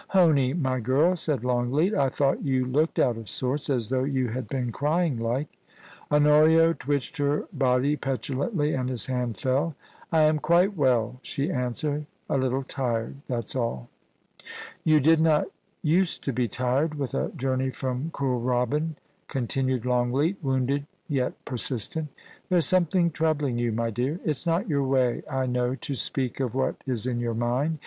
* Honie, my girl,' said Longleat, * I thought you looked out of sorts, as though you had been crying like ' Honoria twitched her body petulantly, and his hand fell * I am quite well,* she answered ;* a little tired — that's alL' * You did not use to be tired with a journey from Kooral byn,' continued Longleat, wounded yet persistent * There's something troubling you, my dear. It's not your way, I know, to speak of what is in your mind.